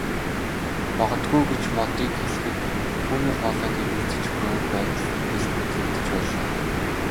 Магадгүй гэж Модыг хэлэхэд түүний хоолойд эргэлзэж буй байдал илт мэдрэгдэж байлаа.